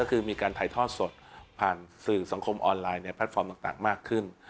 ก็คือมีการถ่ายทอดสดผ่านสื่อสังคมออนไลน์ในแพลตฟอร์มต่างมากขึ้น